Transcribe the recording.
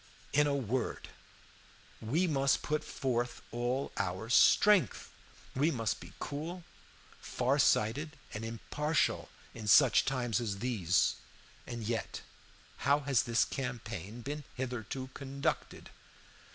"In a word, we must put forth all our strength. We must be cool, far sighted, and impartial in such times as these. And yet, how has this campaign been hitherto conducted?